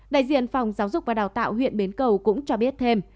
đại diện phòng giáo dục và đào tạo huyện bến cầu cũng cho biết thêm